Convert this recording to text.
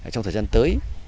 trong thời gian tới